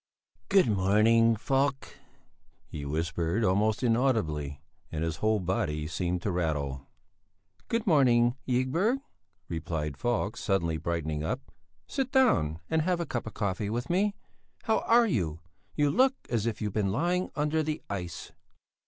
"Good morning, Falk," he whispered, almost inaudibly, and his whole body seemed to rattle. "Good morning, Ygberg," replied Falk, suddenly brightening up. "Sit down and have a cup of coffee! How are you? You look as if you had been lying under the ice."